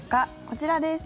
こちらです。